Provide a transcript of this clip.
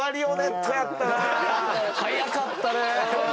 早かったね。